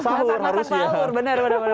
iya langsung masak masak ini untuk sahur harusnya